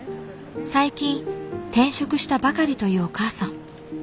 最近転職したばかりというお母さん。